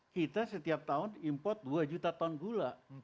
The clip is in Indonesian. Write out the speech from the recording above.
kita setiap tahun import dua juta ton gula